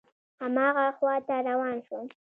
هماغه خواته روان شوم.